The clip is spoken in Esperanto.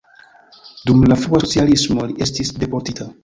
Dum la frua socialismo li estis deportita.